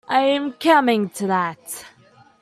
Iâm coming to that.